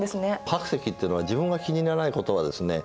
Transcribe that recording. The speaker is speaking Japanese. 白石っていうのは自分が気に入らないことはですね